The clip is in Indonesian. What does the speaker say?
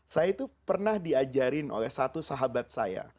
saya itu pernah diajarin oleh satu sahabat saya